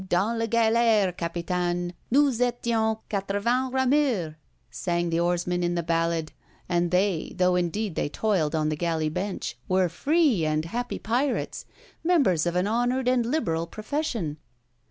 "Dans la galère, capitane, nous étions quatre vingt rameurs!" sang the oarsmen in the ballad; and they, though indeed they toiled on the galley bench, were free and happy pirates, members of an honoured and liberal profession.